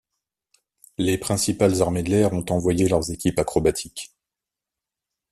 Les principales armées de l’air ont envoyé leurs équipes acrobatiques.